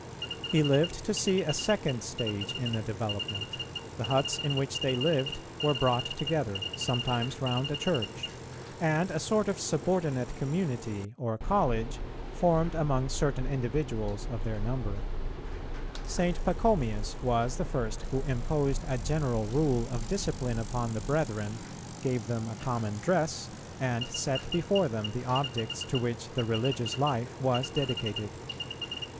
He lived to see a second stage in the development; the huts in which they lived were brought together, sometimes round a church, and a sort of subordinate community, or college, formed among certain individuals of their number. St. Pachomius was the first who imposed a general rule of discipline upon the brethren, gave them a common dress, and set before them the objects to which the religious life was dedicated.